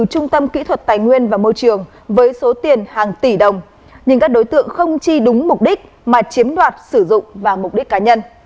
trung tâm kỹ thuật tài nguyên và môi trường với số tiền hàng tỷ đồng nhưng các đối tượng không chi đúng mục đích mà chiếm đoạt sử dụng vào mục đích cá nhân